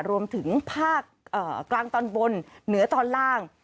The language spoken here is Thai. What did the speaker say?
รวมถึงภาคกลางตอนบนเหนือตอนล่าง